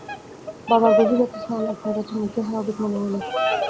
বাবার গভীর রাতে স্নান আপনার কাছে মুগ্ধ স্বাভাবিক মনে হয় নি।